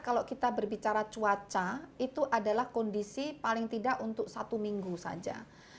kalau kita berbicara cuaca itu adalah kondisi paling tidak untuk satu minggu saja